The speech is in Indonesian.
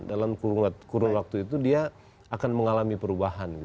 dalam kurun waktu itu dia akan mengalami perubahan